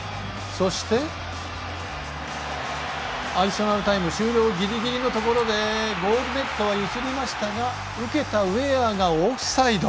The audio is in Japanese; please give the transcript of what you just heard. そして、アディショナルタイム終了ぎりぎりのところでゴールネットは揺らしましたが受けたウェアがオフサイド。